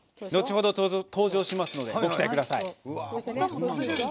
後ほど登場しますのでご期待ください。